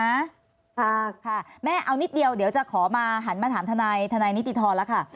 ค่ะค่ะแม่เอานิดเดียวเดี๋ยวจะขอมาหันมาถามทนายทนายนิติธรแล้วค่ะ